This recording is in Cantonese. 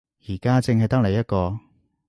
而家淨係得你一個